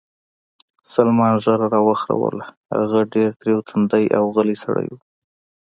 سلمان ږیره را وخروله، هغه ډېر تریو تندی او غلی سړی و.